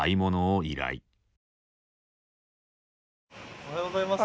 おはようございます。